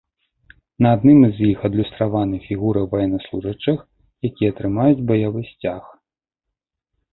На адным з іх адлюстраваны фігуры ваеннаслужачых, якія трымаюць баявы сцяг.